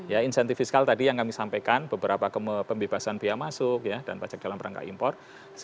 ya insentif fiskal tadi yang kami sampaikan beberapa pembebasan biaya masuk dan pajak dalam rangka impor